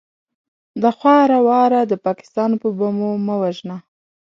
دا خواره واره د پاکستان په بمو مه وژنه!